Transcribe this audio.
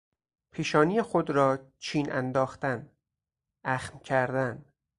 پیشانی خود را چین انداختن، اخم کردن